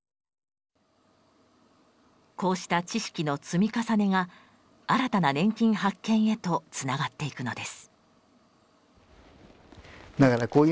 こうした知識の積み重ねが新たな年金発見へとつながっていくのです。